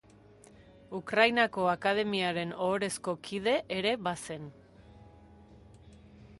Ukrainako Akademiaren ohorezko kide ere bazen.